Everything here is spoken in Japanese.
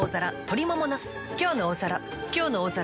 「きょうの大皿」